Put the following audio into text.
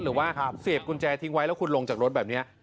เสียบกุญแจทิ้งไว้แล้วคุณลงจากรถแบบนี้